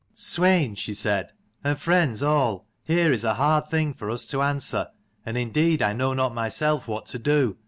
"Swein," she said, "and friends all, here is a hard thing for us to answer : and indeed I know not myself what to do.